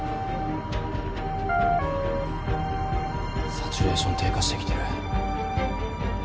サチュレーション低下してきてる。